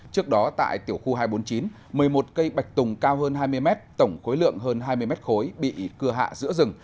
trước đó tại tiểu khu hai trăm bốn mươi chín một mươi một cây bạch tùng cao hơn hai mươi mét tổng khối lượng hơn hai mươi mét khối bị cưa hạ giữa rừng